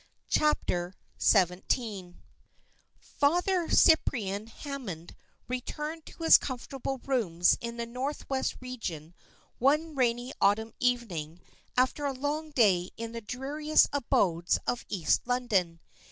CHAPTER XVII Father Cyprian Hammond returned to his comfortable rooms in the north west region one rainy autumn evening after a long day in the dreariest abodes of East London.